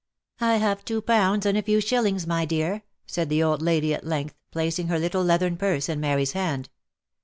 " I have two pounds and a few shillings, my dear," said the old lady, at length placing her little leathern purse in Mary's hand.